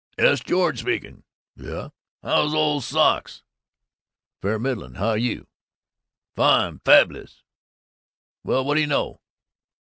"'S George speaking." "Yuh." "How's old socks?" "Fair to middlin'. How're you?" "Fine, Paulibus. Well, what do you know?"